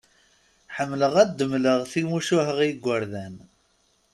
Ḥemmleɣ ad d-mleɣ timucuha i yigerdan.